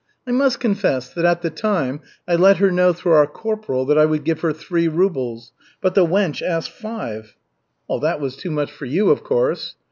I must confess that at the time I let her know through our corporal that I would give her three rubles. But the wench asked five." "That was too much for you, of course!"